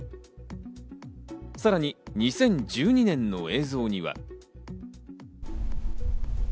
さらに２０１２年の映像には。